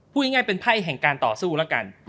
พูดง่ายเป็นไพ่แห่งการต่อสู้แล้วกัน